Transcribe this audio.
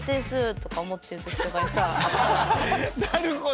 なるほど。